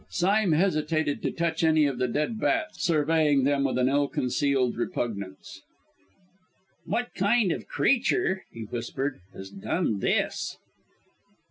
Sime hesitated to touch any of the dead bats, surveying them with an ill concealed repugnance. "What kind of creature," he whispered, "has done this?"